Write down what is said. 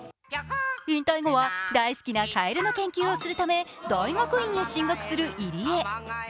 引退後は大好きなかえるの研究をするため、大学院へ進学する入江。